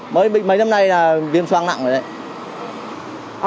mấy năm nay là viêm soang nặng rồi đấy